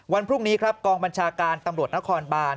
วันพรุ่งนี้ครับกองบัญชาการตำรวจนครบาน